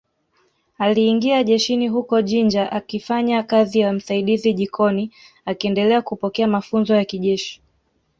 Aliingia jeshini huko Jinja akifanya kazi ya msaidizi jikoni akiendelea kupokea mafunzo ya kijeshi